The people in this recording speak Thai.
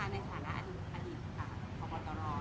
ยุ่ง๑๔ปียาวชนคดีที่ผ่านมาถ้ามีความเห็นยังไงบ้าง